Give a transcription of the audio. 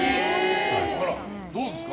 どうですか？